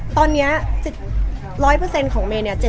ตอนเนี้ยร้อยเปอร์เซ็นต์ของเมเนีย